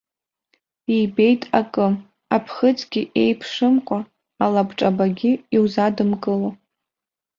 Ибеит акы, аԥхыӡгьы еиԥшымкәа, алабҿабагьы иузадымкыло.